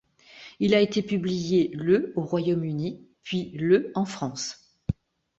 Il a été publié le au Royaume-Uni puis le en France.